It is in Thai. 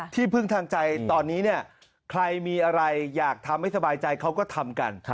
ที่พึ่งทางใจตอนนี้เนี่ยใครมีอะไรอยากทำให้สบายใจเขาก็ทำกัน